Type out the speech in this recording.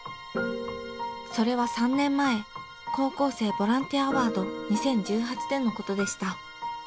それは３年前高校生ボランティアアワード２０１８でのことでした。